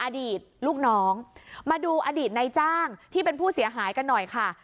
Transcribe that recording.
อดีตลูกน้องมาดูอดีตในจ้างที่เป็นผู้เสียหายกันหน่อยค่ะ